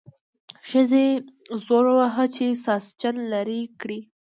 ښځې زور وواهه چې ساسچن لرې کړي.